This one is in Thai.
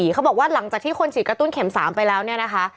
เขาบอกว่าหลังจากที่คนฉีดกระตุ้นเข็ม๓ไปแล้วเนี่ยนะคะ